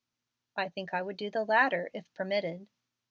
"I think I would do the latter, if permitted."